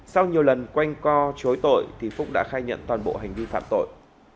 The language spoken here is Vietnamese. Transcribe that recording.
sau nhiều lần quanh co chối tội thì phúc đã khai nhận toàn bộ hành vi phạm tội